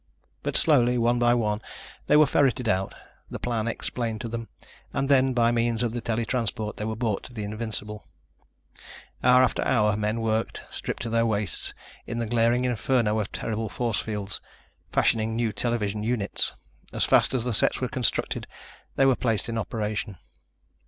But slowly, one by one, they were ferreted out, the plan explained to them, and then, by means of the tele transport, they were brought to the Invincible. Hour after hour men worked, stripped to their waists, in the glaring inferno of terrible force fields, fashioning new television units. As fast as the sets were constructed, they were placed in operation.